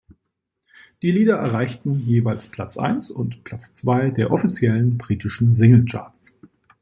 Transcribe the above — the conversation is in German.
Die Lieder erreichten jeweils Platz eins und Platz zwei der offiziellen britischen Single-Charts.